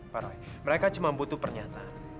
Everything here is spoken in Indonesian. pak roy mereka cuma butuh pernyataan